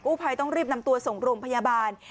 ภัยต้องรีบนำตัวส่งโรงพยาบาล